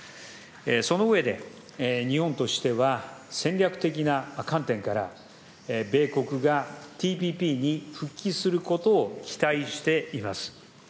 その上で、日本としては戦略的な観点から、米国がＴＰＰに復帰することを期待しています。